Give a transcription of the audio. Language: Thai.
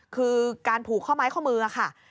คือการผูกข้อไม้ข้อมือค่ะ